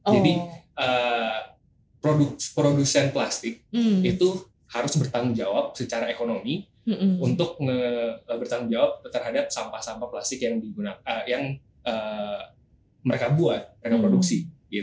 jadi produsen plastik itu harus bertanggung jawab secara ekonomi untuk bertanggung jawab terhadap sampah sampah plastik yang digunakan yang mereka buat mereka produksi